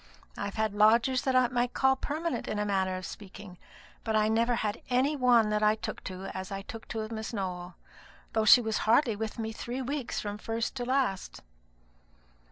I've had lodgers that I might call permanent, in a manner of speaking; but I never had any one that I took to as I took to Miss Nowell, though she was hardly with me three weeks from first to last."